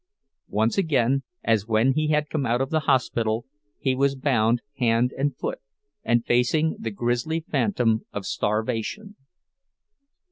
Once again, as when he had come out of the hospital, he was bound hand and foot, and facing the grisly phantom of starvation.